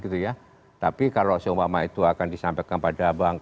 tapi kalau seumur lama itu akan disampaikan pada bang